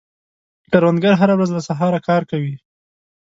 کروندګر هره ورځ له سهاره کار کوي